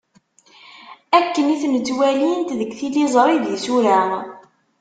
Akken i ten-ttwalint deg tiliẓri d yisura.